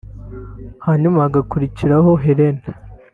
hanyuma hagakurikiraho Henry